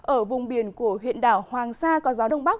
ở vùng biển của huyện đảo hoàng sa có gió đông bắc